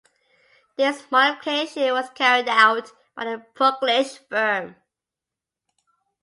This modification was carried out by the Puklitsch firm.